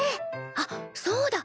あっそうだ！